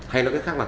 hay nói cách khác là